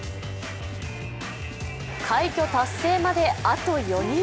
快挙達成まであと４人。